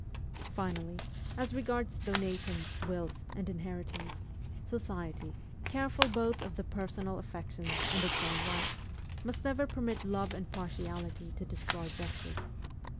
Finally, as regards donations, wills, and inheritance, society, careful both of the personal affections and its own rights, must never permit love and partiality to destroy justice.